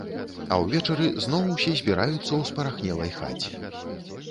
А ўвечары зноў усе збіраюцца ў спарахнелай хаце.